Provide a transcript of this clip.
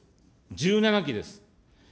１７機です。